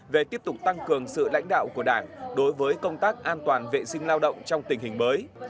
về tiếp tục tăng cường sự lãnh đạo của đảng đối với công tác an toàn vệ sinh lao động trong tình hình mới